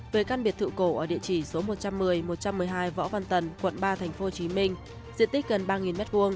về căn biệt thự cổ ở địa chỉ số một trăm một mươi một trăm một mươi hai võ văn tần quận ba tp hcm diện tích gần ba m hai